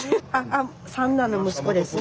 あっ三男の息子です。